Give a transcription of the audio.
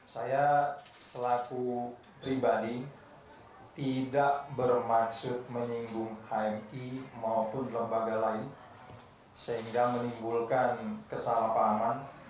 saya selaku pribadi tidak bermaksud menyinggung hmi maupun lembaga lain sehingga menimbulkan kesalahpahaman